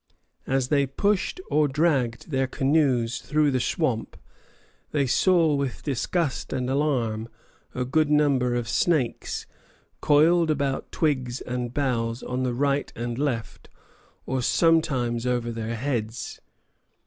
As they pushed or dragged their canoes through the swamp, they saw with disgust and alarm a good number of snakes, coiled about twigs and boughs on the right and left, or sometimes over their heads.